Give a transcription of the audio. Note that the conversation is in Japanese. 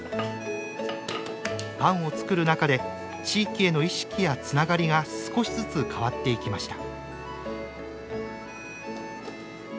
パンを作る中で地域への意識やつながりが少しずつ変わっていきました。